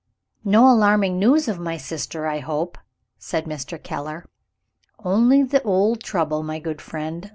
"No alarming news of my sister, I hope?" said Mr. Keller. "Only the old trouble, my good friend.